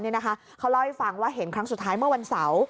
เขาเล่าให้ฟังว่าเห็นครั้งสุดท้ายเมื่อวันเสาร์